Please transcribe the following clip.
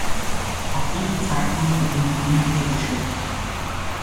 Ab diesem Zeitpunkt beginnt die Linie der Bischöfe.